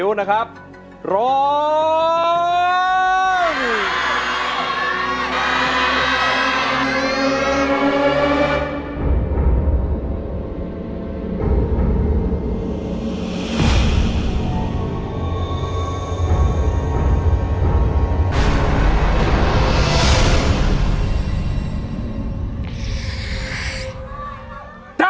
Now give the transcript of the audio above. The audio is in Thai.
ร้องได้ร้องได้